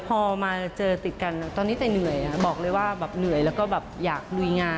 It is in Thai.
พอมาเจอติดกันแล้วตอนนี้แต่เหนื่อยบอกเลยว่าเหนื่อยเราก็อยากดุยงาน